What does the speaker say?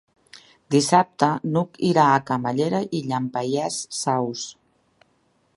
Dissabte n'Hug irà a Camallera i Llampaies Saus.